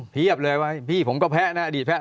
ผีอับเลยไว้พี่ผมก็แพ้น่ะดีดแพ้